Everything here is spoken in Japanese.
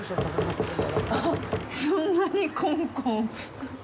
あっ、そんなにコンコン？